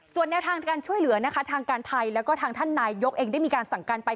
ส่วนแนวทางการช่วยเหลือนะคะทางการไทยแล้วก็ทางท่านนายยกเองได้มีการสั่งการไป